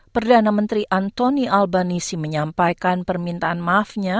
perdana menteri antoni albanisi menyampaikan permintaan maafnya